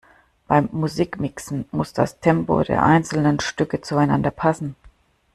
Beim Musikmixen muss das Tempo der einzelnen Stücke zueinander passen.